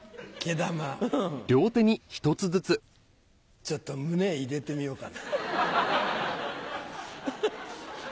ちょっと胸入れてみようかな。